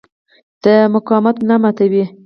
د مقاومت ملا ماتوي.